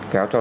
kéo cho đến